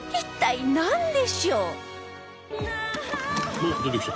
おっ出てきた。